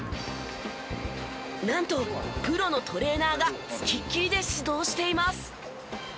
なんとプロのトレーナーがつきっきりで指導しています。